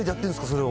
それを。